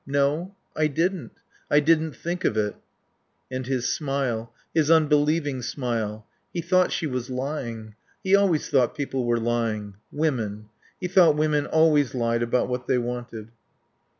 "No. I didn't. I didn't think of it." And his smile. His unbelieving smile. He thought she was lying. He always thought people were lying. Women. He thought women always lied about what they wanted.